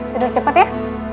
tidur cepet ya